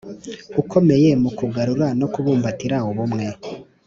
ukomeye mu kugarura no kubumbatira ubumwe